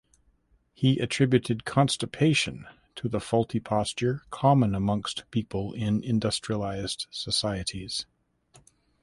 He attributed constipation to the faulty posture common amongst people in industrialized societies.